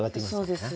そうです。